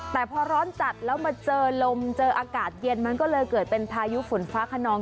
แต่พอร้อนจัดแล้วมาเจอลมเจออากาศเย็นมันก็เลยเกิดเป็นพายุฝนฟ้าขนอง